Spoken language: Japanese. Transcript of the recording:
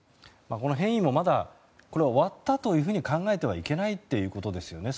この変異も終わったと考えてはいけないということですよね。